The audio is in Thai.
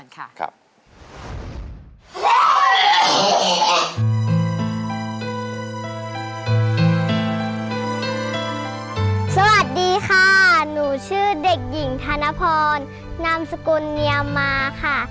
ของเธอกันก่อนค่ะค่ะสวัสดีค่ะหนูชื่อเด็กหญิงธานพรนามสกุลเนียมาค่ะ